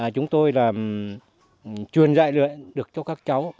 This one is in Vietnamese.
chúng tôi là truyền dạy được cho các cháu